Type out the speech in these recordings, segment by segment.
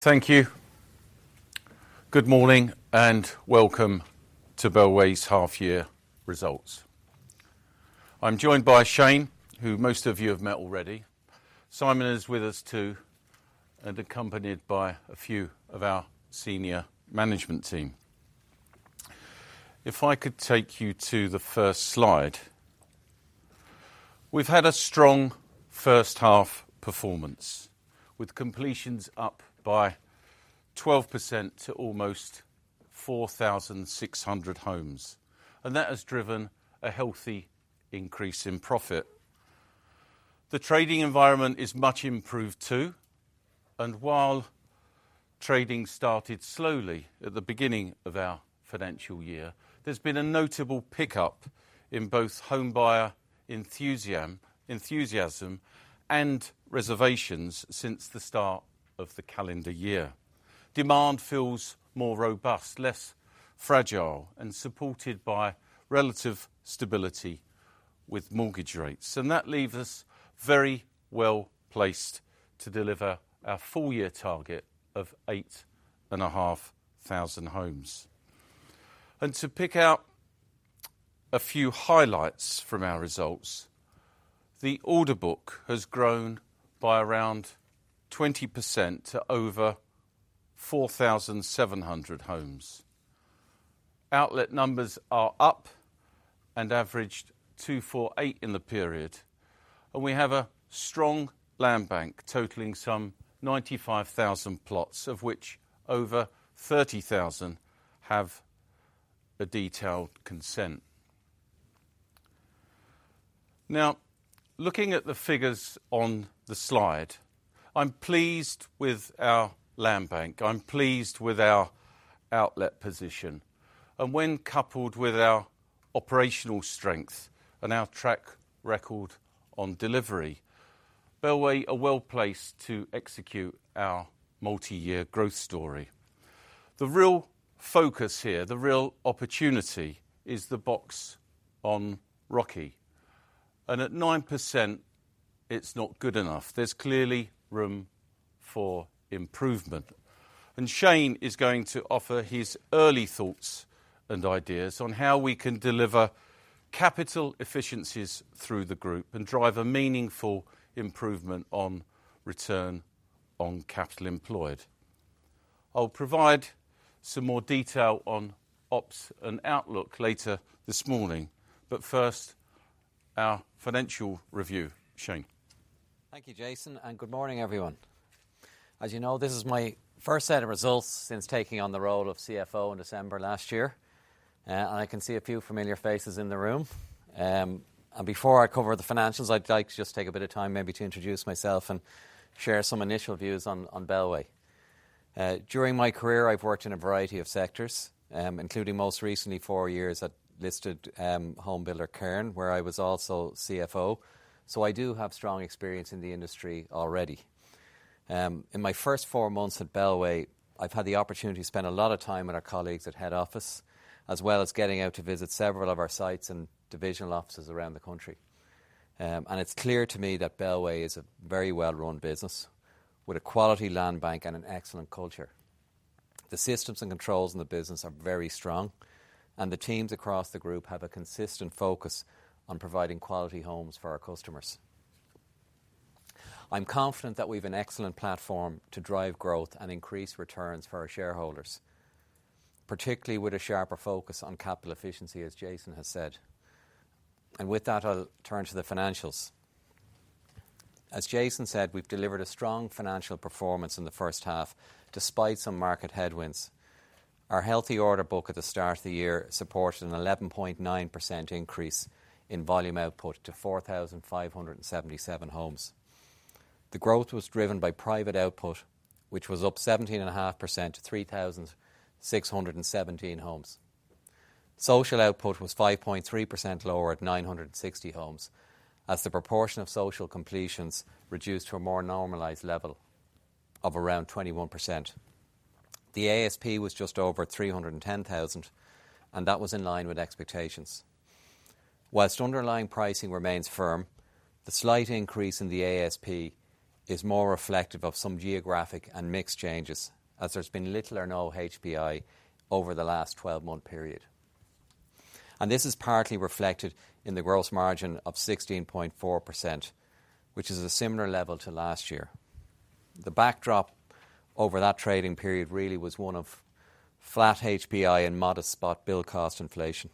Thank you. Good morning and welcome to Bellway's half-year results. I'm joined by Shane, who most of you have met already. Simon is with us too, and accompanied by a few of our senior management team. If I could take you to the first slide. We've had a strong first half performance, with completions up by 12% to almost 4,600 homes, and that has driven a healthy increase in profit. The trading environment is much improved too, and while trading started slowly at the beginning of our financial year, there's been a notable pickup in both homebuyer enthusiasm and reservations since the start of the calendar year. Demand feels more robust, less fragile, and supported by relative stability with mortgage rates, and that leaves us very well placed to deliver our full-year target of 8,500 homes. To pick out a few highlights from our results, the order book has grown by around 20% to over 4,700 homes. Outlet numbers are up and averaged 248 in the period, and we have a strong land bank totaling some 95,000 plots, of which over 30,000 have a detailed consent. Now, looking at the figures on the slide, I'm pleased with our land bank. I'm pleased with our outlet position, and when coupled with our operational strength and our track record on delivery, Bellway are well placed to execute our multi-year growth story. The real focus here, the real opportunity, is the box on ROCE, and at 9%, it's not good enough. There's clearly room for improvement, and Shane is going to offer his early thoughts and ideas on how we can deliver capital efficiencies through the group and drive a meaningful improvement on return on capital employed. I'll provide some more detail on ops and outlook later this morning, but first, our financial review, Shane. Thank you, Jason, and good morning, everyone. As you know, this is my first set of results since taking on the role of CFO in December last year, and I can see a few familiar faces in the room. Before I cover the financials, I'd like to just take a bit of time, maybe to introduce myself and share some initial views on Bellway. During my career, I've worked in a variety of sectors, including most recently four years at listed homebuilder Cairn, where I was also CFO, so I do have strong experience in the industry already. In my first four months at Bellway, I've had the opportunity to spend a lot of time with our colleagues at head office, as well as getting out to visit several of our sites and divisional offices around the country. It is clear to me that Bellway is a very well-run business with a quality land bank and an excellent culture. The systems and controls in the business are very strong, and the teams across the group have a consistent focus on providing quality homes for our customers. I am confident that we have an excellent platform to drive growth and increase returns for our shareholders, particularly with a sharper focus on capital efficiency, as Jason has said. With that, I will turn to the financials. As Jason said, we have delivered a strong financial performance in the first half, despite some market headwinds. Our healthy order book at the start of the year supported an 11.9% increase in volume output to 4,577 homes. The growth was driven by private output, which was up 17.5% to 3,617 homes. Social output was 5.3% lower at 960 homes, as the proportion of social completions reduced to a more normalized level of around 21%. The ASP was just over 310,000, and that was in line with expectations. Whilst underlying pricing remains firm, the slight increase in the ASP is more reflective of some geographic and mix changes, as there's been little or no HPI over the last 12-month period. This is partly reflected in the gross margin of 16.4%, which is a similar level to last year. The backdrop over that trading period really was one of flat HPI and modest spot build cost inflation.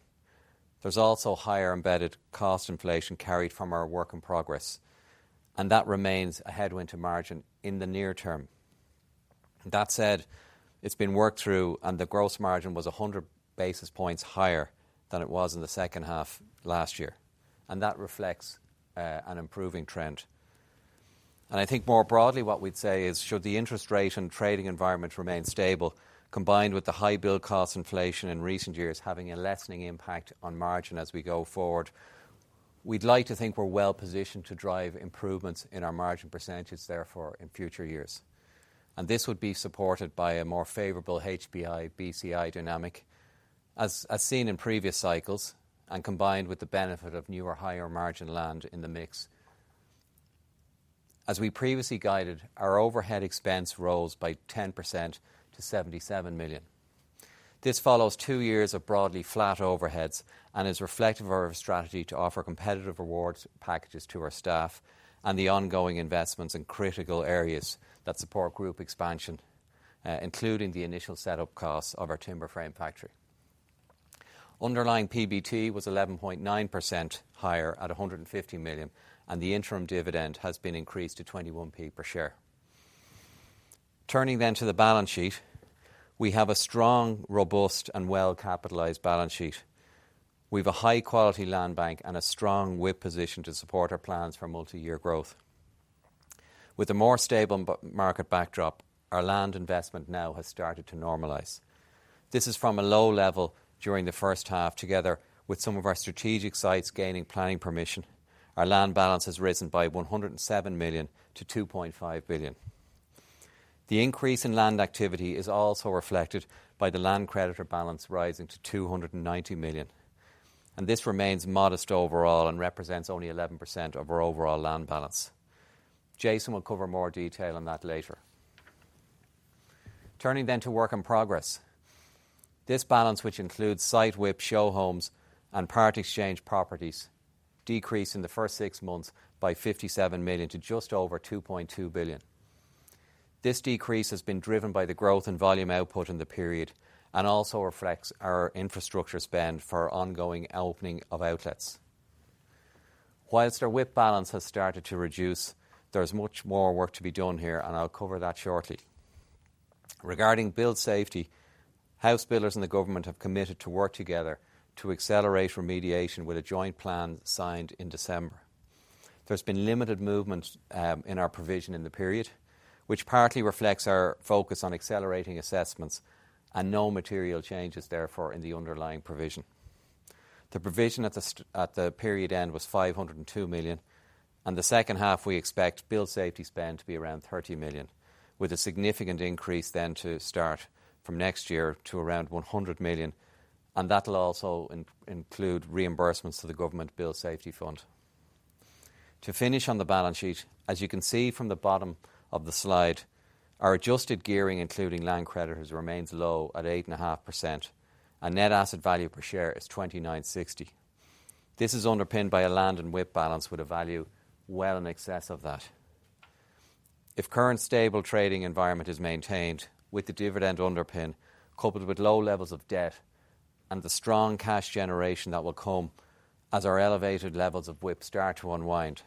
There is also higher embedded cost inflation carried from our work in progress, and that remains a headwind to margin in the near term. That said, it's been worked through, and the gross margin was 100 basis points higher than it was in the second half last year, and that reflects an improving trend. I think more broadly, what we'd say is, should the interest rate and trading environment remain stable, combined with the high build cost inflation in recent years having a lessening impact on margin as we go forward, we'd like to think we're well positioned to drive improvements in our margin percentage, therefore, in future years. This would be supported by a more favorable HPI/BCI dynamic, as seen in previous cycles, and combined with the benefit of newer higher margin land in the mix. As we previously guided, our overhead expense rose by 10% to 77 million. This follows two years of broadly flat overheads and is reflective of our strategy to offer competitive rewards packages to our staff and the ongoing investments in critical areas that support group expansion, including the initial setup costs of our timber frame factory. Underlying PBT was 11.9% higher at 150 million, and the interim dividend has been increased to 21p per share. Turning then to the balance sheet, we have a strong, robust, and well-capitalized balance sheet. We have a high-quality land bank and a strong WIP position to support our plans for multi-year growth. With a more stable market backdrop, our land investment now has started to normalize. This is from a low level during the first half, together with some of our strategic sites gaining planning permission. Our land balance has risen by 107 million to 2.5 billion. The increase in land activity is also reflected by the land creditor balance rising to 290 million, and this remains modest overall and represents only 11% of our overall land balance. Jason will cover more detail on that later. Turning then to work in progress, this balance, which includes site WIP, show homes, and part exchange properties, decreased in the first six months by 57 million to just over 2.2 billion. This decrease has been driven by the growth in volume output in the period and also reflects our infrastructure spend for ongoing opening of outlets. Whilst our WIP balance has started to reduce, there's much more work to be done here, and I'll cover that shortly. Regarding build safety, house builders and the government have committed to work together to accelerate remediation with a joint plan signed in December. There's been limited movement in our provision in the period, which partly reflects our focus on accelerating assessments and no material changes, therefore, in the underlying provision. The provision at the period end was 502 million, and in the second half we expect build safety spend to be around 30 million, with a significant increase then to start from next year to around 100 million, and that'll also include reimbursements to the government Building Safety Fund. To finish on the balance sheet, as you can see from the bottom of the slide, our adjusted gearing, including land creditors, remains low at 8.5%, and net asset value per share is 29.60. This is underpinned by a land and WIP balance with a value well in excess of that. If current stable trading environment is maintained with the dividend underpin, coupled with low levels of debt and the strong cash generation that will come as our elevated levels of WIP start to unwind,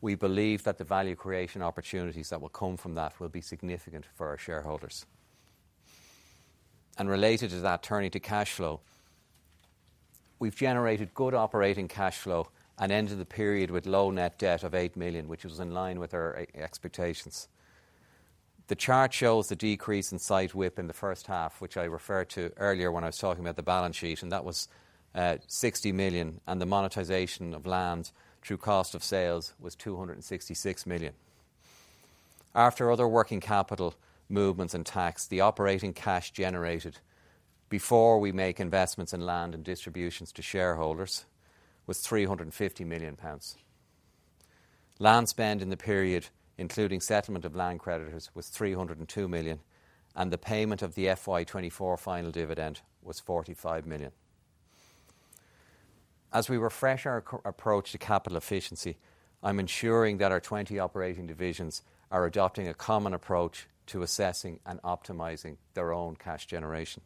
we believe that the value creation opportunities that will come from that will be significant for our shareholders. Related to that, turning to cash flow, we've generated good operating cash flow and ended the period with low net debt of 8 million, which was in line with our expectations. The chart shows the decrease in site WIP in the first half, which I referred to earlier when I was talking about the balance sheet, and that was 60 million, and the monetization of land through cost of sales was 266 million. After other working capital movements and tax, the operating cash generated before we make investments in land and distributions to shareholders was 350 million pounds. Land spend in the period, including settlement of land creditors, was 302 million, and the payment of the FY24 final dividend was 45 million. As we refresh our approach to capital efficiency, I'm ensuring that our 20 operating divisions are adopting a common approach to assessing and optimizing their own cash generation.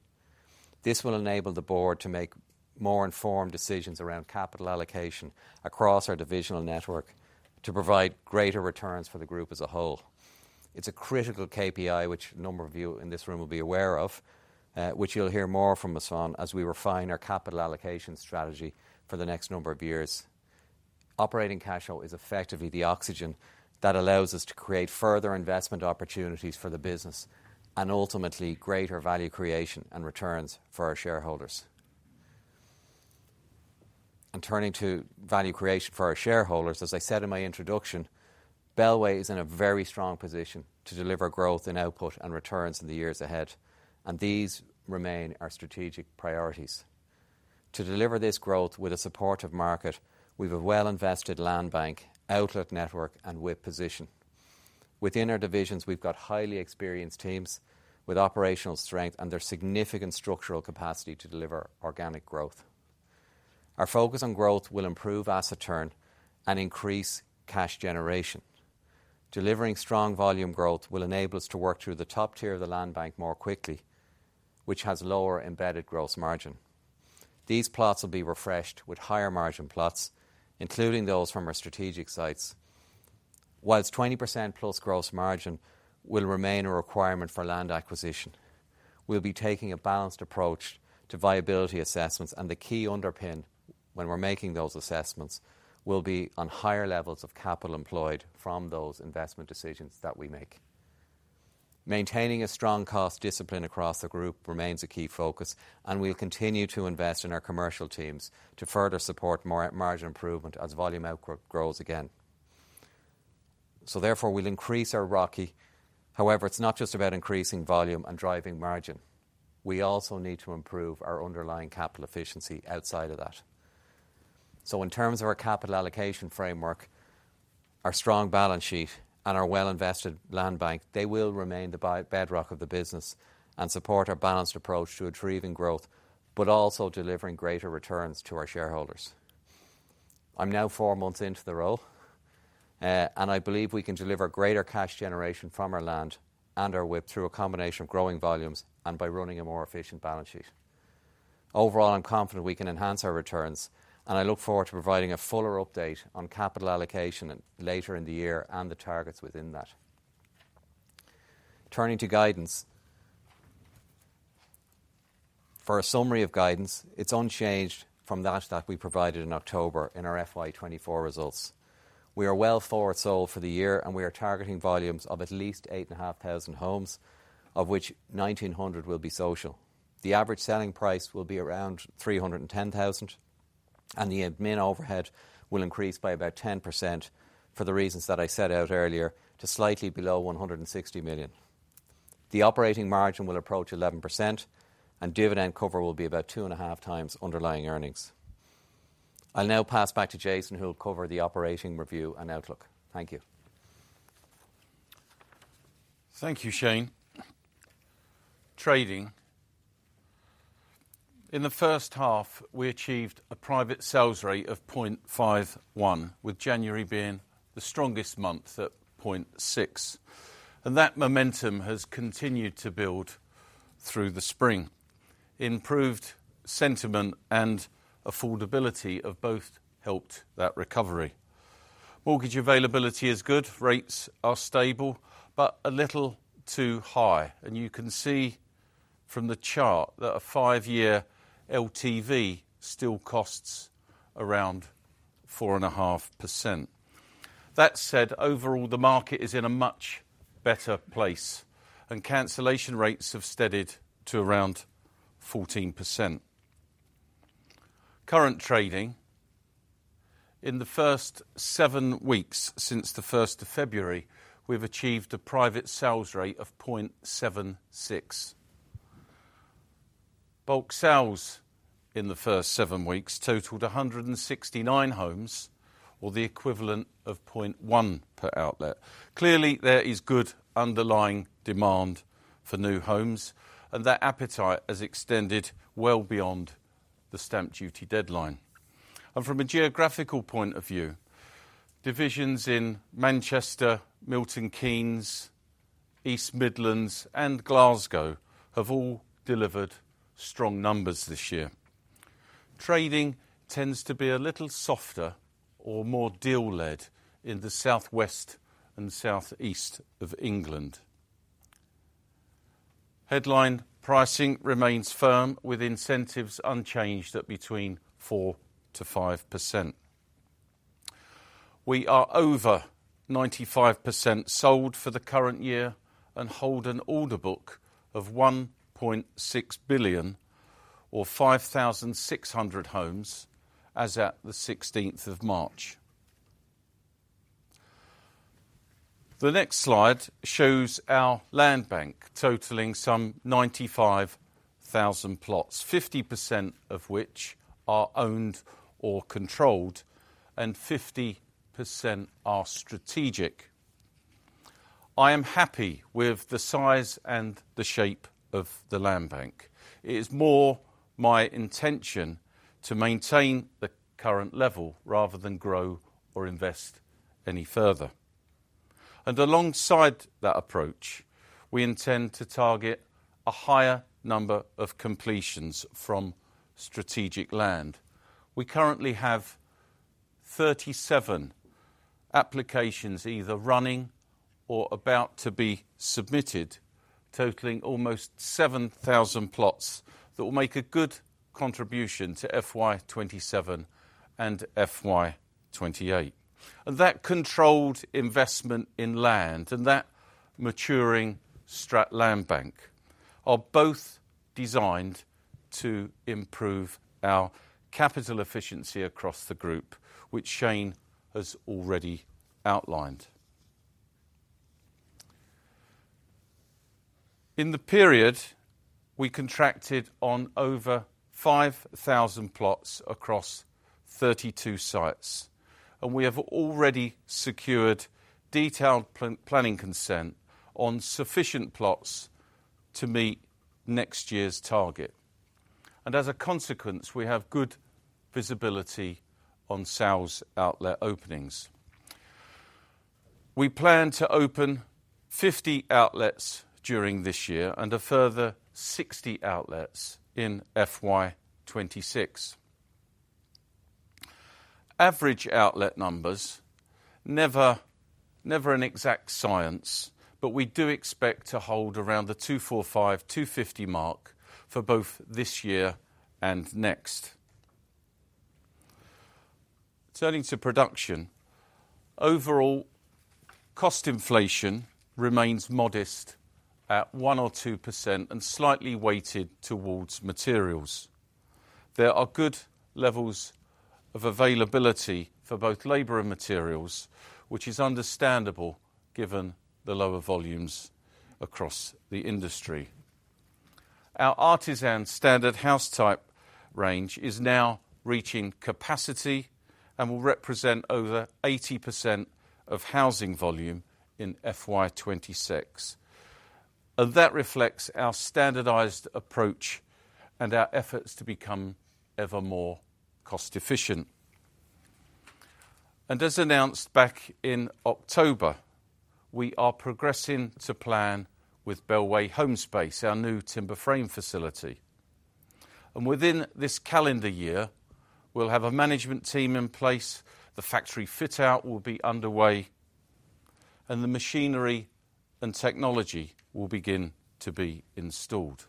This will enable the board to make more informed decisions around capital allocation across our divisional network to provide greater returns for the group as a whole. It's a critical KPI, which a number of you in this room will be aware of, which you'll hear more from us on as we refine our capital allocation strategy for the next number of years. Operating cash flow is effectively the oxygen that allows us to create further investment opportunities for the business and ultimately greater value creation and returns for our shareholders. Turning to value creation for our shareholders, as I said in my introduction, Bellway is in a very strong position to deliver growth in output and returns in the years ahead, and these remain our strategic priorities. To deliver this growth with a supportive market, we have a well-invested land bank, outlet network, and WIP position. Within our divisions, we've got highly experienced teams with operational strength and their significant structural capacity to deliver organic growth. Our focus on growth will improve asset turn and increase cash generation. Delivering strong volume growth will enable us to work through the top tier of the land bank more quickly, which has lower embedded gross margin. These plots will be refreshed with higher margin plots, including those from our strategic sites. Whilst 20%+ gross margin will remain a requirement for land acquisition, we'll be taking a balanced approach to viability assessments, and the key underpin when we're making those assessments will be on higher levels of capital employed from those investment decisions that we make. Maintaining a strong cost discipline across the group remains a key focus, and we'll continue to invest in our commercial teams to further support margin improvement as volume output grows again. Therefore, we'll increase our ROCE. However, it's not just about increasing volume and driving margin. We also need to improve our underlying capital efficiency outside of that. In terms of our capital allocation framework, our strong balance sheet and our well-invested land bank, they will remain the bedrock of the business and support our balanced approach to achieving growth, but also delivering greater returns to our shareholders. I'm now four months into the role, and I believe we can deliver greater cash generation from our land and our WIP through a combination of growing volumes and by running a more efficient balance sheet. Overall, I'm confident we can enhance our returns, and I look forward to providing a fuller update on capital allocation later in the year and the targets within that. Turning to guidance. For a summary of guidance, it's unchanged from that that we provided in October in our FY 2024 results. We are well forward sold for the year, and we are targeting volumes of at least 8,500 homes, of which 1,900 will be social. The average selling price will be around 310,000, and the admin overhead will increase by about 10% for the reasons that I set out earlier to slightly below 160 million. The operating margin will approach 11%, and dividend cover will be about 2.5x underlying earnings. I'll now pass back to Jason, who'll cover the operating review and outlook. Thank you. Thank you, Shane. Trading. In the first half, we achieved a private sales rate of 0.51, with January being the strongest month at 0.6. That momentum has continued to build through the spring. Improved sentiment and affordability have both helped that recovery. Mortgage availability is good. Rates are stable, but a little too high. You can see from the chart that a five-year LTV still costs around 4.5%. That said, overall, the market is in a much better place, and cancellation rates have steadied to around 14%. Current trading. In the first seven weeks since the 1st of February, we have achieved a private sales rate ofGBP 0.76. Bulk sales in the first seven weeks totaled 169 homes, or the equivalent of 0.1 per outlet. Clearly, there is good underlying demand for new homes, and that appetite has extended well beyond the stamp duty deadline. From a geographical point of view, divisions in Manchester, Milton Keynes, East Midlands, and Glasgow have all delivered strong numbers this year. Trading tends to be a little softer or more deal-led in the southwest and southeast of England. Headline pricing remains firm, with incentives unchanged at between 4%-5%. We are over 95% sold for the current year and hold an order book of 1.6 billion, or 5,600 homes, as at the 16th of March. The next slide shows our land bank totaling some 95,000 plots, 50% of which are owned or controlled, and 50% are strategic. I am happy with the size and the shape of the land bank. It is more my intention to maintain the current level rather than grow or invest any further. Alongside that approach, we intend to target a higher number of completions from strategic land. We currently have 37 applications either running or about to be submitted, totaling almost 7,000 plots that will make a good contribution to FY 2027 and FY 2028. That controlled investment in land and that maturing land bank are both designed to improve our capital efficiency across the group, which Shane has already outlined. In the period, we contracted on over 5,000 plots across 32 sites, and we have already secured detailed planning consent on sufficient plots to meet next year's target. As a consequence, we have good visibility on sales outlet openings. We plan to open 50 outlets during this year and a further 60 outlets in FY2026. Average outlet numbers are never an exact science, but we do expect to hold around the 245-250 mark for both this year and next. Turning to production, overall cost inflation remains modest at 1%-2% and is slightly weighted towards materials. There are good levels of availability for both labor and materials, which is understandable given the lower volumes across the industry. Our Artisan standard house type range is now reaching capacity and will represent over 80% of housing volume in FY 2026. That reflects our standardized approach and our efforts to become ever more cost efficient. As announced back in October, we are progressing to plan with Bellway Homespace, our new timber frame facility. Within this calendar year, we will have a management team in place, the factory fit-out will be underway, and the machinery and technology will begin to be installed.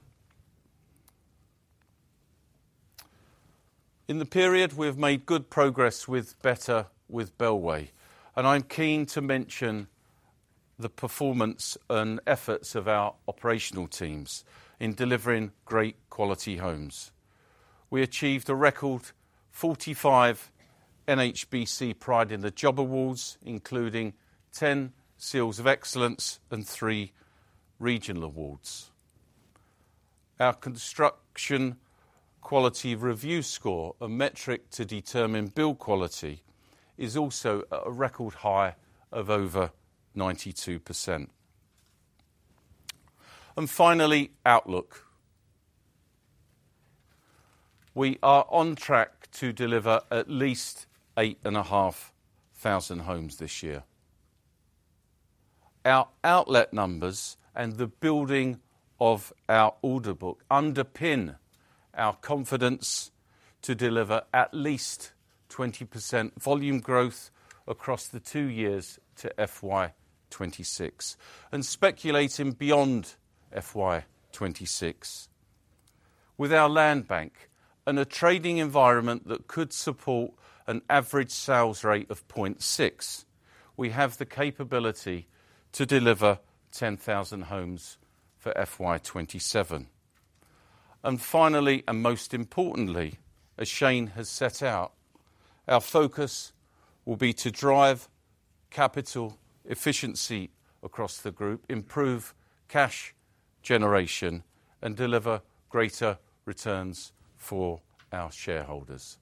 In the period, we have made good progress with Better with Bellway, and I am keen to mention the performance and efforts of our operational teams in delivering great quality homes. We achieved a record 45 NHBC Pride in the Job Awards, including 10 Seals of Excellence and three regional awards. Our construction quality review score, a metric to determine build quality, is also a record high of over 92%. Finally, outlook. We are on track to deliver at least 8,500 homes this year. Our outlet numbers and the building of our order book underpin our confidence to deliver at least 20% volume growth across the two years to FY2026 and speculating beyond FY 2026. With our land bank and a trading environment that could support an average sales rate of 0.6, we have the capability to deliver 10,000 homes for FY 2027. Finally, and most importantly, as Shane has set out, our focus will be to drive capital efficiency across the group, improve cash generation, and deliver greater returns for our shareholders.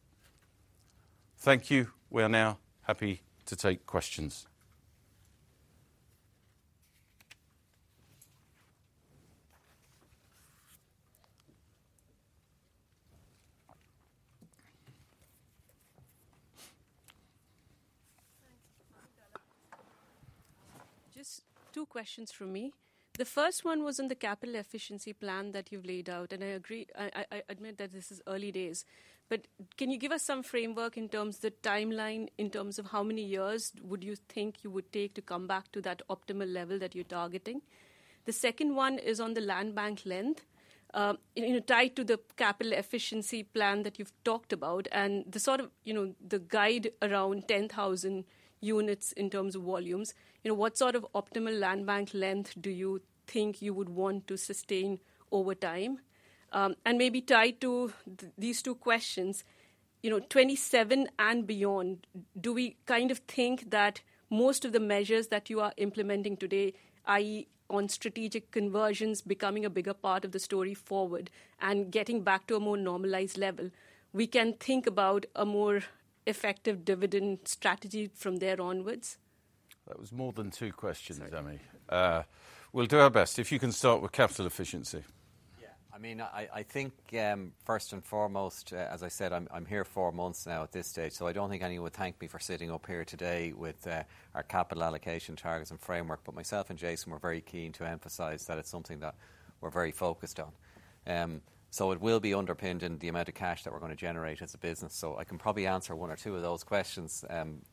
Thank you. We are now happy to take questions. Just two questions from me. The first one was on the capital efficiency plan that you've laid out, and I admit that this is early days. Can you give us some framework in terms of the timeline, in terms of how many years would you think you would take to come back to that optimal level that you're targeting? The second one is on the land bank length, tied to the capital efficiency plan that you've talked about and the sort of guide around 10,000 units in terms of volumes. What sort of optimal land bank length do you think you would want to sustain over time? Maybe tied to these two questions, 2027 and beyond, do we kind of think that most of the measures that you are implementing today, i.e., on strategic conversions becoming a bigger part of the story forward and getting back to a more normalized level, we can think about a more effective dividend strategy from there onwards? That was more than two questions, Ami. We'll do our best. If you can start with capital efficiency. Yeah. I mean, I think first and foremost, as I said, I'm here four months now at this stage, so I don't think anyone would thank me for sitting up here today with our capital allocation targets and framework. Myself and Jason were very keen to emphasize that it's something that we're very focused on. It will be underpinned in the amount of cash that we're going to generate as a business. I can probably answer one or two of those questions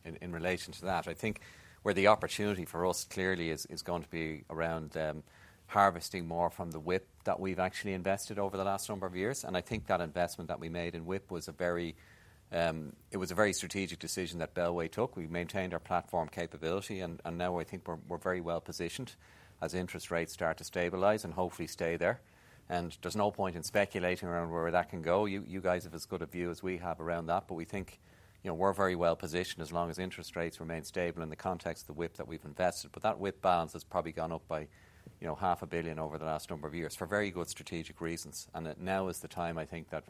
in relation to that. I think where the opportunity for us clearly is going to be around harvesting more from the WIP that we've actually invested over the last number of years. I think that investment that we made in WIP was a very strategic decision that Bellway took. We maintained our platform capability, and now I think we're very well positioned as interest rates start to stabilize and hopefully stay there. There's no point in speculating around where that can go. You guys have as good a view as we have around that, but we think we're very well positioned as long as interest rates remain stable in the context of the WIP that we've invested. That WIP balance has probably gone up by 500 million over the last number of years for very good strategic reasons. Now is the time, I think, that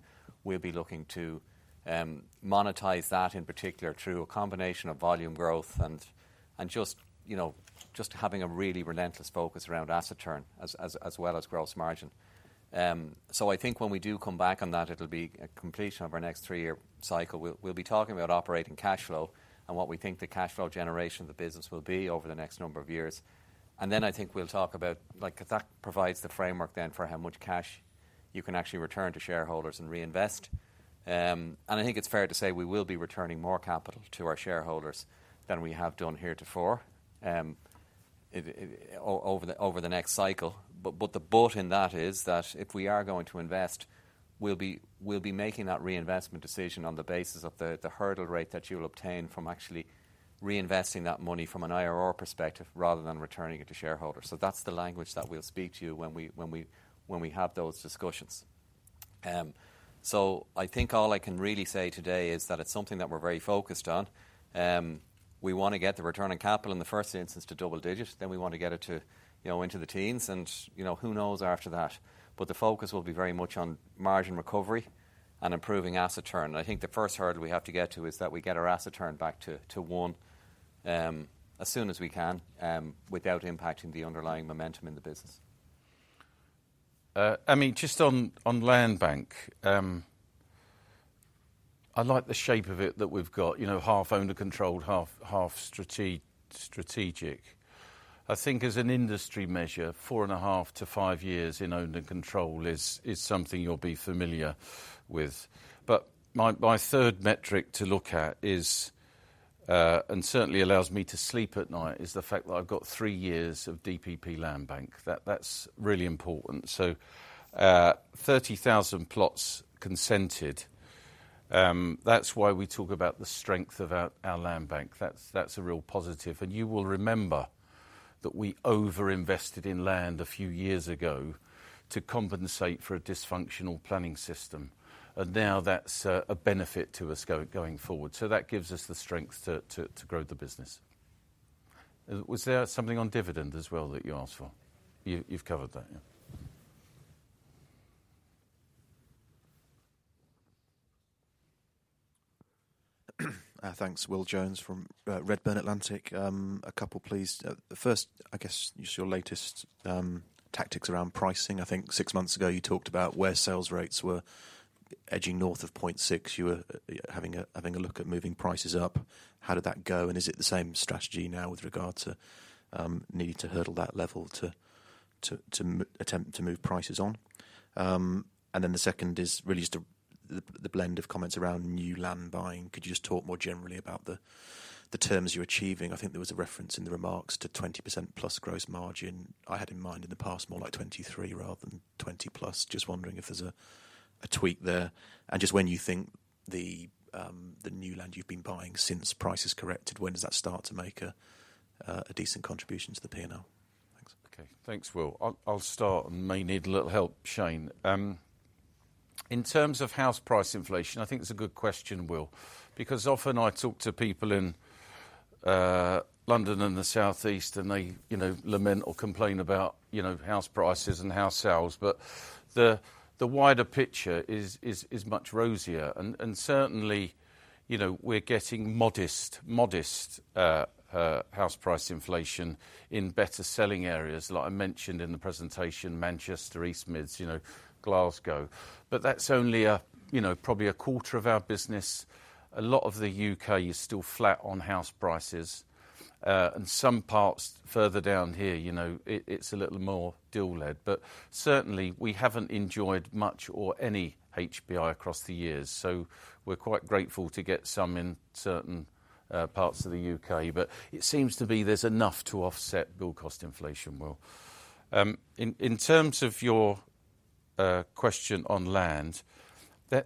we'll be looking to monetize that in particular through a combination of volume growth and just having a really relentless focus around asset turn as well as gross margin. I think when we do come back on that, it'll be a completion of our next three-year cycle. Will be talking about operating cash flow and what we think the cash flow generation of the business will be over the next number of years. I think we will talk about that provides the framework then for how much cash you can actually return to shareholders and reinvest. I think it is fair to say we will be returning more capital to our shareholders than we have done heretofore over the next cycle. The bolt in that is that if we are going to invest, we will be making that reinvestment decision on the basis of the hurdle rate that you will obtain from actually reinvesting that money from an IRR perspective rather than returning it to shareholders. That is the language that we will speak to you when we have those discussions. I think all I can really say today is that it's something that we're very focused on. We want to get the return on capital in the first instance to double digits. Then we want to get it into the teens, and who knows after that. The focus will be very much on margin recovery and improving asset turn. I think the first hurdle we have to get to is that we get our asset turn back to one as soon as we can without impacting the underlying momentum in the business. Ami, just on land bank, I like the shape of it that we've got, half owner-controlled, half strategic. I think as an industry measure, 4.5-5 years in owner control is something you'll be familiar with. My third metric to look at is, and certainly allows me to sleep at night, is the fact that I've got three years of DPP land bank. That's really important. 30,000 plots consented. That's why we talk about the strength of our land bank. That's a real positive. You will remember that we overinvested in land a few years ago to compensate for a dysfunctional planning system. Now that's a benefit to us going forward. That gives us the strength to grow the business. Was there something on dividend as well that you asked for? You've covered that, yeah. Thanks, Will Jones from Redburn Atlantic. A couple, please. First, I guess just your latest tactics around pricing. I think six months ago you talked about where sales rates were edging north of 0.6. You were having a look at moving prices up. How did that go? Is it the same strategy now with regard to needing to hurdle that level to attempt to move prices on? The second is really just the blend of comments around new land buying. Could you just talk more generally about the terms you're achieving? I think there was a reference in the remarks to 20%+ gross margin. I had in mind in the past more like 23 rather than 20 plus. Just wondering if there's a tweak there. Just when you think the new land you've been buying since price has corrected, when does that start to make a decent contribution to the P&L? Thanks. Okay. Thanks, Will. I'll start and may need a little help, Shane. In terms of house price inflation, I think it's a good question, Will, because often I talk to people in London and the Southeast, and they lament or complain about house prices and house sales. The wider picture is much rosier. Certainly, we're getting modest house price inflation in better selling areas, like I mentioned in the presentation, Manchester, East Midlands, Glasgow. That's only probably a quarter of our business. A lot of the U.K. is still flat on house prices. Some parts further down here, it's a little more deal-led. Certainly, we haven't enjoyed much or any HPI across the years. We're quite grateful to get some in certain parts of the U.K. It seems to be there's enough to offset build cost inflation, Will. In terms of your question on land,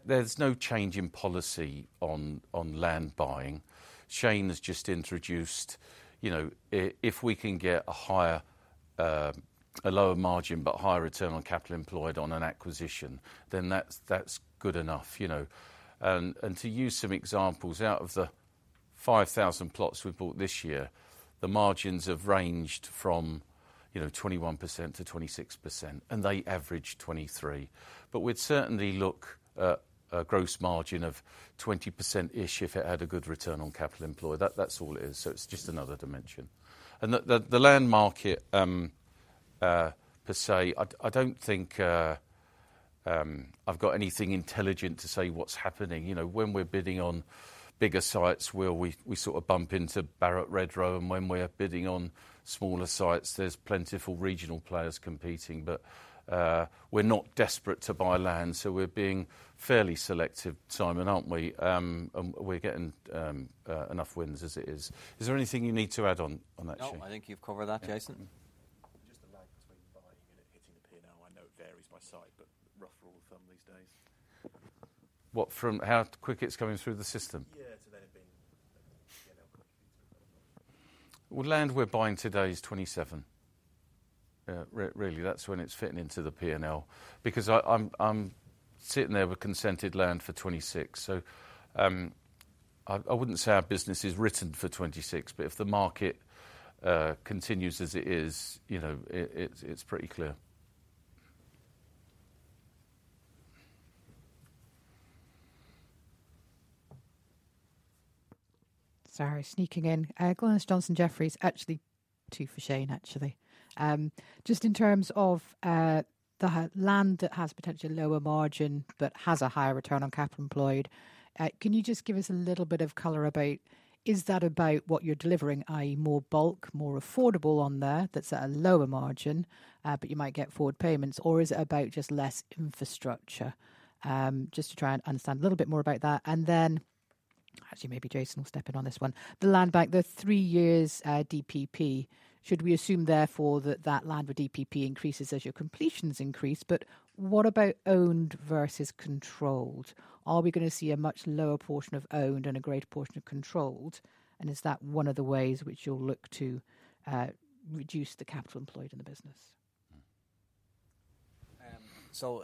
there's no change in policy on land buying. Shane has just introduced, if we can get a lower margin but higher return on capital employed on an acquisition, then that's good enough. To use some examples, out of the 5,000 plots we bought this year, the margins have ranged from 21% to 26%, and they averaged 23%. We'd certainly look at a gross margin of 20%-ish if it had a good return on capital employed. That's all it is. It's just another dimension. The land market, per se, I don't think I've got anything intelligent to say what's happening. When we're bidding on bigger sites, Will, we sort of bump into Barratt Redrow. When we're bidding on smaller sites, there's plentiful regional players competing. We're not desperate to buy land, so we're being fairly selective, Simon, aren't we? We're getting enough wins as it is. Is there anything you need to add on that, Shane? No, I think you've covered that, Jason. Just the lag between buying and it hitting the P&L. I know it varies by site, but rough rule of thumb these days. What, from how quick it's coming through the system? Yeah, to then have been P&L contributor? Land we're buying today is 2027. Really, that's when it's fitting into the P&L, because I'm sitting there with consented land for 2026. I wouldn't say our business is written for 2026, but if the market continues as it is, it's pretty clear. Sorry, sneaking in. Glynis, Jefferies actually. Two for Shane, actually. Just in terms of the land that has potentially lower margin but has a higher return on capital employed, can you just give us a little bit of color about, is that about what you're delivering, i.e., more bulk, more affordable on there that's at a lower margin, but you might get forward payments, or is it about just less infrastructure? Just to try and understand a little bit more about that. Then, actually, maybe Jason will step in on this one. The land bank, the three-years DPP, should we assume therefore that that land with DPP increases as your completions increase? What about owned versus controlled? Are we going to see a much lower portion of owned and a greater portion of controlled? Is that one of the ways which you'll look to reduce the capital employed in the business?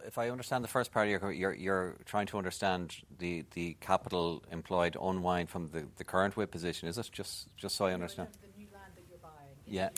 If I understand the first part of your comment, you're trying to understand the capital employed unwind from the current WIP position. Is that just so I understand? The new land that you're buying, you're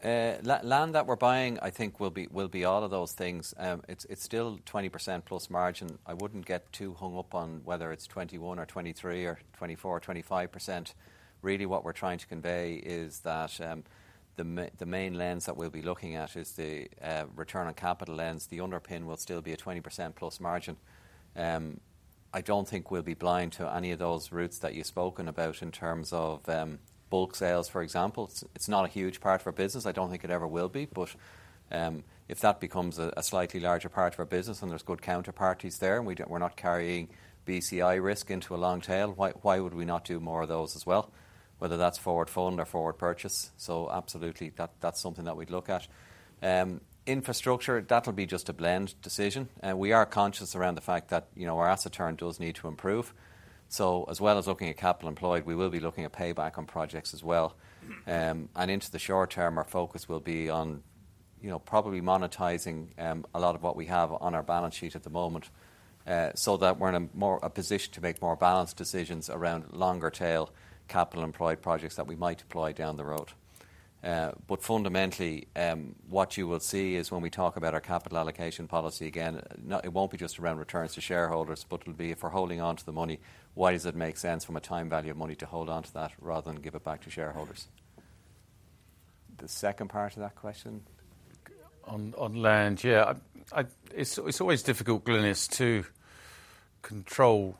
intending to sell more bulk, and that's what reduces the margin that speeds the return on capital employed. Or is it that you're looking to buy sites which are smaller that have less infrastructure upfront? Land that we're buying, I think, will be all of those things. It's still 20% plus margin. I wouldn't get too hung up on whether it's 21% or 23% or 24% or 25%. Really, what we're trying to convey is that the main lens that we'll be looking at is the return on capital lens. The underpin will still be a 20%+ margin. I don't think we'll be blind to any of those routes that you've spoken about in terms of bulk sales, for example. It's not a huge part of our business. I don't think it ever will be. If that becomes a slightly larger part of our business and there's good counterparties there and we're not carrying BCI risk into a long tail, why would we not do more of those as well, whether that's forward fund or forward purchase? Absolutely, that's something that we'd look at. Infrastructure, that'll be just a blend decision. We are conscious around the fact that our asset turn does need to improve. As well as looking at capital employed, we will be looking at payback on projects as well. Into the short term, our focus will be on probably monetizing a lot of what we have on our balance sheet at the moment so that we're in a position to make more balanced decisions around longer tail capital employed projects that we might deploy down the road. Fundamentally, what you will see is when we talk about our capital allocation policy again, it will not be just around returns to shareholders, but it will be if we are holding onto the money, why does it make sense from a time value of money to hold onto that rather than give it back to shareholders? The second part of that question? On land, yeah. It's always difficult, Glynyis, to control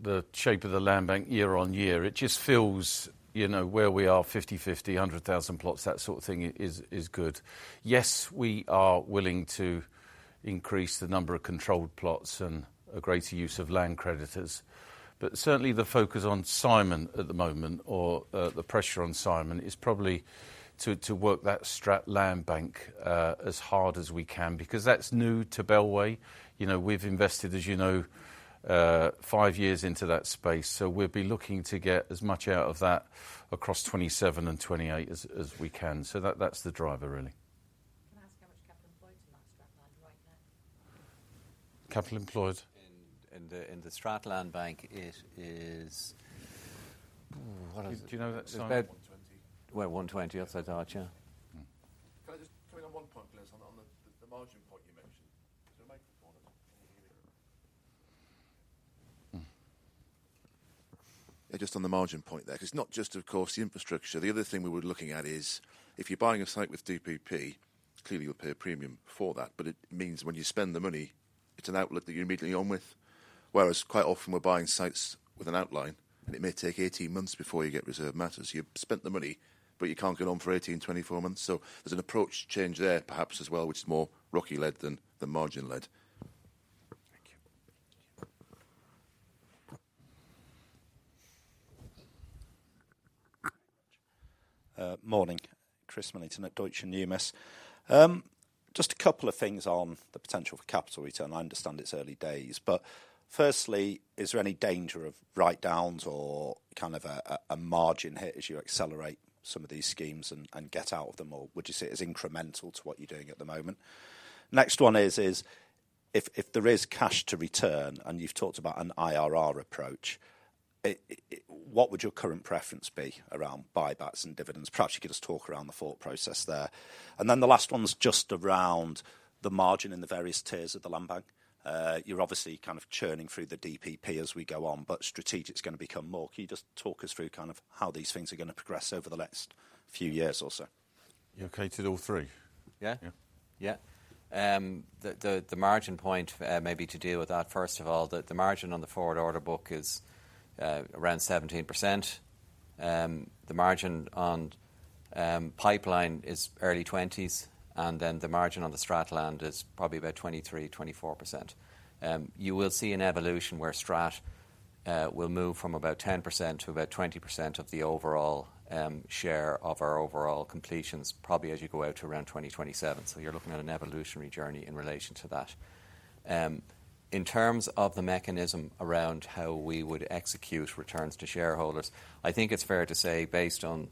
the shape of the land bank year on year. It just feels where we are, 50,000-100,000 plots, that sort of thing is good. Yes, we are willing to increase the number of controlled plots and a greater use of land creditors. Certainly, the focus on Simon at the moment or the pressure on Simon is probably to work that land bank as hard as we can because that's new to Bellway. We've invested, as you know, five years into that space. We will be looking to get as much out of that across 2027 and 2028 as we can. That's the driver, really. Can I ask how much capital employed's in that strat land right now? Capital employed? In the strat land bank, it is, what is it? Do you know that? It's about 120. Where? 120? That's our target, yeah? Can I just come in on one point, Glynis, on the margin point you mentioned? Is it a makeup point? Yeah, just on the margin point there. It's not just, of course, the infrastructure. The other thing we were looking at is if you're buying a site with DPP, clearly you'll pay a premium for that. But it means when you spend the money, it's an outlook that you're immediately on with. Whereas quite often we're buying sites with an outline, and it may take 18 months before you get reserve matters. You've spent the money, but you can't get on for 18-24 months. There is an approach change there, perhaps, as well, which is more rocky-led than margin-led. Thank you. Morning. Chris Millington at Deutsche Numis. Just a couple of things on the potential for capital return. I understand it's early days. Firstly, is there any danger of write-downs or kind of a margin hit as you accelerate some of these schemes and get out of them? Or would you see it as incremental to what you're doing at the moment? Next one is, if there is cash to return and you've talked about an IRR approach, what would your current preference be around buybacks and dividends? Perhaps you could just talk around the thought process there. The last one is just around the margin in the various tiers of the land bank. You're obviously kind of churning through the DPP as we go on, but strategic's going to become more. Can you just talk us through kind of how these things are going to progress over the next few years or so? You're okay to do all three? Yeah. Yeah. The margin point, maybe to deal with that, first of all, the margin on the forward order book is around 17%. The margin on pipeline is early 20%s. And then the margin on the strat land is probably about 23%-24%. You will see an evolution where strat will move from about 10% to about 20% of the overall share of our overall completions, probably as you go out to around 2027. You are looking at an evolutionary journey in relation to that. In terms of the mechanism around how we would execute returns to shareholders, I think it is fair to say, based on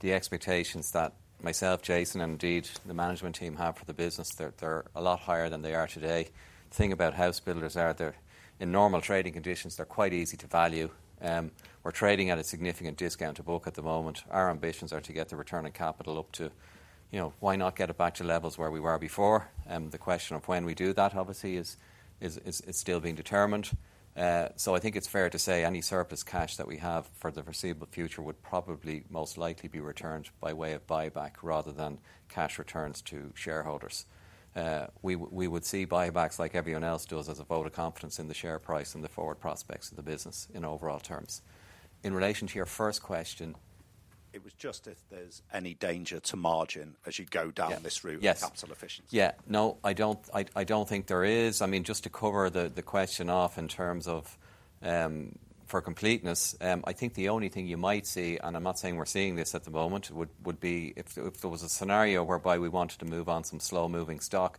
the expectations that myself, Jason, and indeed the management team have for the business, they are a lot higher than they are today. The thing about house builders is they are, in normal trading conditions, quite easy to value. We're trading at a significant discount to book at the moment. Our ambitions are to get the return on capital up to, why not get it back to levels where we were before? The question of when we do that, obviously, is still being determined. I think it's fair to say any surplus cash that we have for the foreseeable future would probably most likely be returned by way of buyback rather than cash returns to shareholders. We would see buybacks like everyone else does as a vote of confidence in the share price and the forward prospects of the business in overall terms. In relation to your first question, it was just if there's any danger to margin as you go down this route of capital efficiency. Yes. Yeah. No, I don't think there is. I mean, just to cover the question off in terms of for completeness, I think the only thing you might see, and I'm not saying we're seeing this at the moment, would be if there was a scenario whereby we wanted to move on some slow-moving stock,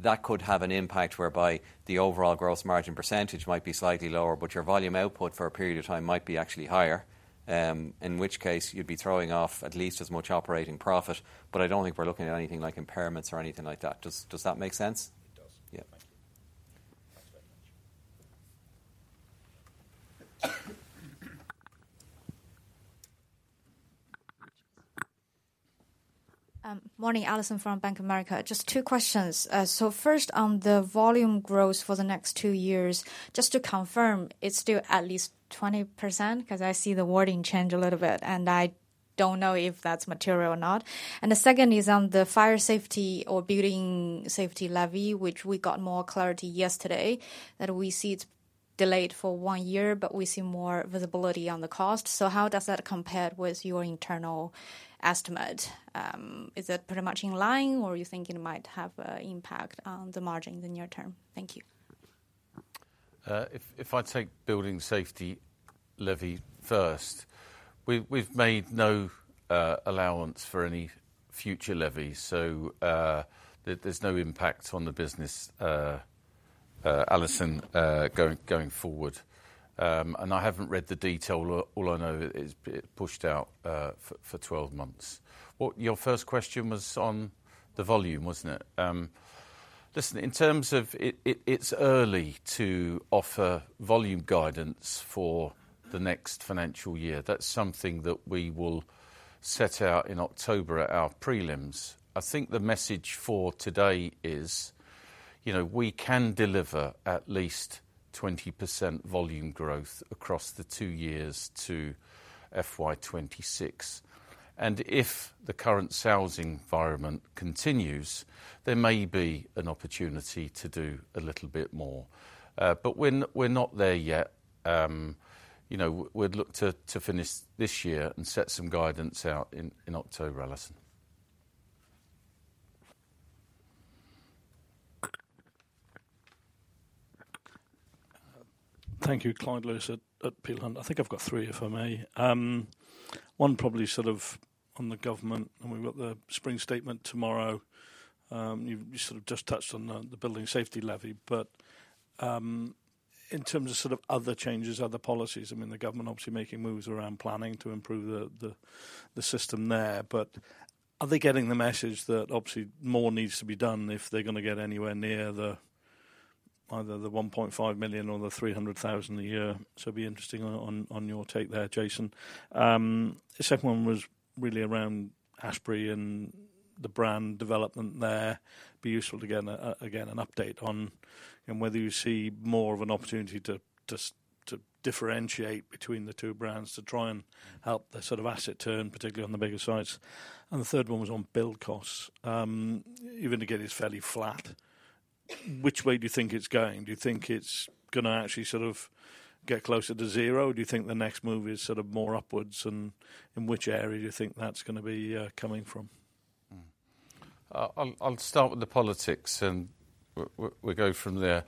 that could have an impact whereby the overall gross margin percentage might be slightly lower, but your volume output for a period of time might be actually higher, in which case you'd be throwing off at least as much operating profit. I don't think we're looking at anything like impairments or anything like that. Does that make sense? It does. Yeah. Thank you. Morning. Alison from Bank of America. Just two questions. First, on the volume growth for the next two years, just to confirm, it's still at least 20% because I see the wording change a little bit, and I don't know if that's material or not. The second is on the fire safety or building safety levy, which we got more clarity yesterday, that we see it's delayed for one year, but we see more visibility on the cost. How does that compare with your internal estimate? Is that pretty much in line, or are you thinking it might have an impact on the margins in the near term? Thank you. If I take building safety levy first, we've made no allowance for any future levies, so there's no impact on the business, Alison, going forward. I haven't read the detail. All I know is it's pushed out for 12 months. Your first question was on the volume, wasn't it? Listen, in terms of it's early to offer volume guidance for the next financial year. That's something that we will set out in October at our prelims. I think the message for today is we can deliver at least 20% volume growth across the two years to FY 2026. If the current sales environment continues, there may be an opportunity to do a little bit more. We're not there yet. We'd look to finish this year and set some guidance out in October, Alison. Thank you. Clyde Lewis at Peel Hunt. I think I've got three if I may. One probably sort of on the government, and we've got the spring statement tomorrow. You sort of just touched on the building safety levy. In terms of sort of other changes, other policies, I mean, the government obviously making moves around planning to improve the system there. Are they getting the message that obviously more needs to be done if they're going to get anywhere near either the 1.5 million or the 300,000 a year? It would be interesting on your take there, Jason. The second one was really around Ashberry and the brand development there. It would be useful to get, again, an update on whether you see more of an opportunity to differentiate between the two brands to try and help the sort of asset turn, particularly on the bigger sites. The third one was on build costs. You've indicated it's fairly flat. Which way do you think it's going? Do you think it's going to actually sort of get closer to zero? Do you think the next move is sort of more upwards? In which area do you think that's going to be coming from? I'll start with the politics, and we'll go from there.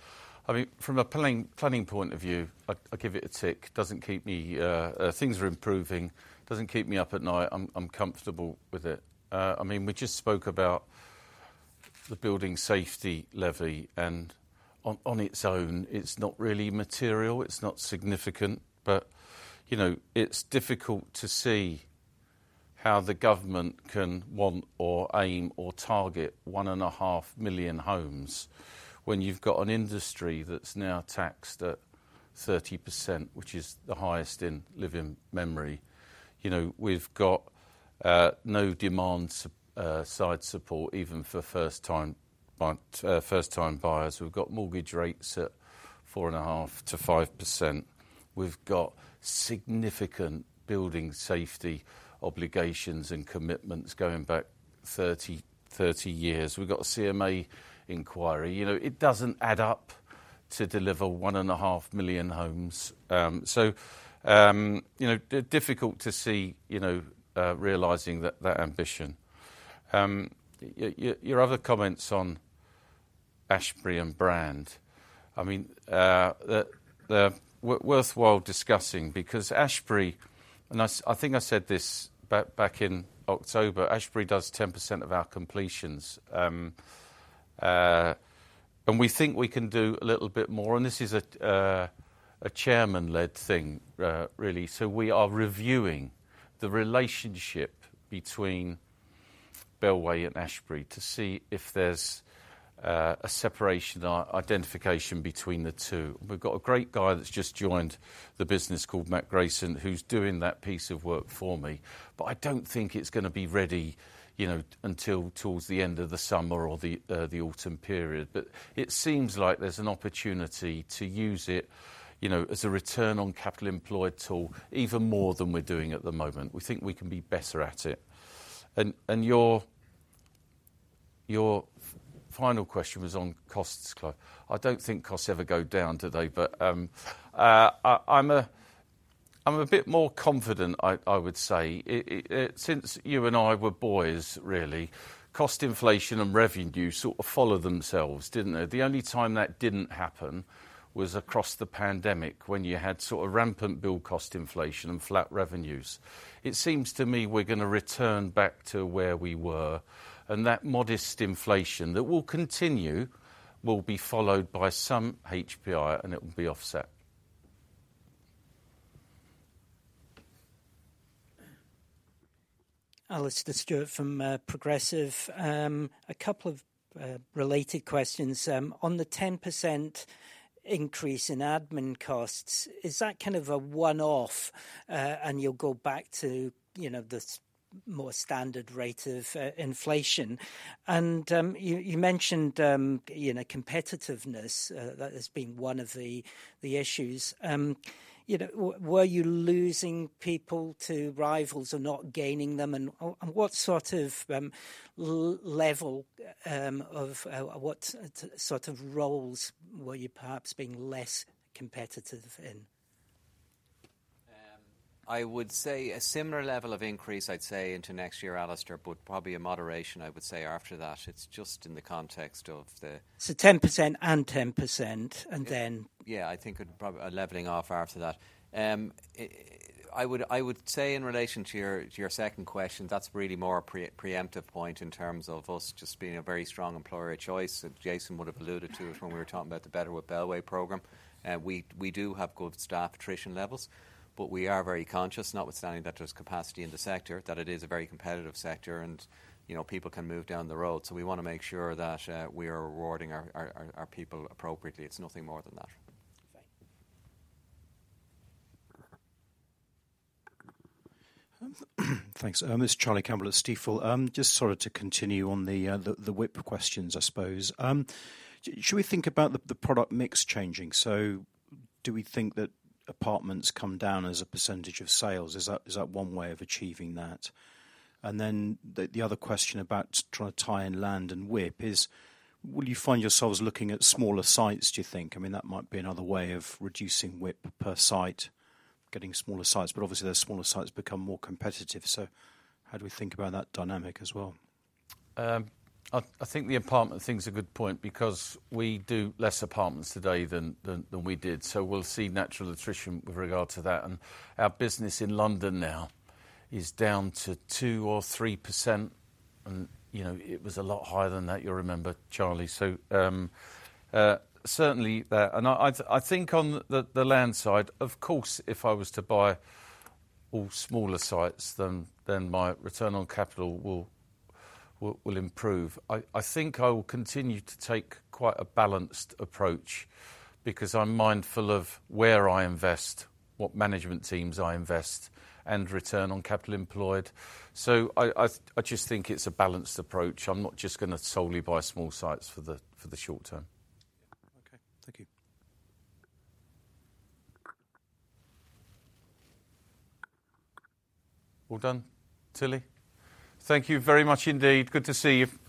I mean, from a planning point of view, I'll give it a tick. Doesn't keep me things are improving. Doesn't keep me up at night. I'm comfortable with it. I mean, we just spoke about the building safety levy, and on its own, it's not really material. It's not significant. But it's difficult to see how the government can want or aim or target one and a half million homes when you've got an industry that's now taxed at 30%, which is the highest in living memory. We've got no demand-side support, even for first-time buyers. We've got mortgage rates at 4.5-5%. We've got significant building safety obligations and commitments going back 30 years. We've got a CMA inquiry. It doesn't add up to deliver one and a half million homes. Difficult to see realizing that ambition. Your other comments on Ashberry and brand, I mean, they're worthwhile discussing because Ashberry, and I think I said this back in October, Ashberry does 10% of our completions. We think we can do a little bit more. This is a chairman-led thing, really. We are reviewing the relationship between Bellway and Ashberry to see if there's a separation identification between the two. We've got a great guy that's just joined the business called Matt Grayson, who's doing that piece of work for me. I don't think it's going to be ready until towards the end of the summer or the autumn period. It seems like there's an opportunity to use it as a return on capital employed tool even more than we're doing at the moment. We think we can be better at it. Your final question was on costs, Clyde. I do not think costs ever go down, do they? I am a bit more confident, I would say, since you and I were boys, really. Cost inflation and revenue sort of follow themselves, did they not? The only time that did not happen was across the pandemic when you had sort of rampant build cost inflation and flat revenues. It seems to me we are going to return back to where we were. That modest inflation that will continue will be followed by some HPI, and it will be offset. Alastair Stewart from Progressive. A couple of related questions. On the 10% increase in admin costs, is that kind of a one-off, and you'll go back to the more standard rate of inflation? You mentioned competitiveness that has been one of the issues. Were you losing people to rivals or not gaining them? What sort of level of what sort of roles were you perhaps being less competitive in? I would say a similar level of increase, I'd say, into next year, Alister, but probably a moderation, I would say, after that. It's just in the context of the. 10% and 10%, and then. Yeah, I think leveling off after that. I would say in relation to your second question, that's really more a preemptive point in terms of us just being a very strong employer of choice. Jason would have alluded to it when we were talking about the Better with Bellway program. We do have good staff attrition levels, but we are very conscious, notwithstanding that there's capacity in the sector, that it is a very competitive sector, and people can move down the road. We want to make sure that we are rewarding our people appropriately. It's nothing more than that. Thanks. This is Charlie Campbell at Stifel. Just sort of to continue on the WIP questions, I suppose. Should we think about the product mix changing? Do we think that apartments come down as a percentage of sales? Is that one way of achieving that? The other question about trying to tie in land and WIP is, will you find yourselves looking at smaller sites, do you think? I mean, that might be another way of reducing WIP per site, getting smaller sites. Obviously, those smaller sites become more competitive. How do we think about that dynamic as well? I think the apartment thing is a good point because we do less apartments today than we did. We will see natural attrition with regard to that. Our business in London now is down to 2%-3%. It was a lot higher than that, you will remember, Charlie. Certainly, I think on the land side, of course, if I was to buy all smaller sites, then my return on capital will improve. I think I will continue to take quite a balanced approach because I am mindful of where I invest, what management teams I invest, and return on capital employed. I just think it is a balanced approach. I am not just going to solely buy small sites for the short term. Okay. Thank you. Thank you very much indeed. Good to see you.